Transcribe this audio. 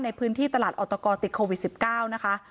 ในพื้นที่ตลาดออตกติดโควิด๑๙นะคะ